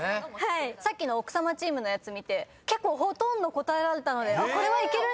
さっきの奥様チームのやつ見てほとんど答えられたのでこれはいけるんじゃないかって。